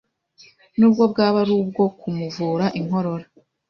nubwo bwaba ari ubwo kumuvura inkorora,